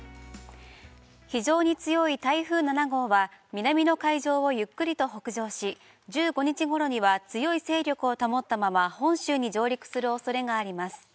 非常に強い台風７号は、南の海上をゆっくりと北上し、１５日ごろには、強い勢力を保ったまま、本州に上陸するおそれがあります。